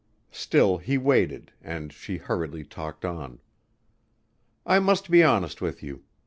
Still he waited and she hurriedly talked on. "I must be honest with you.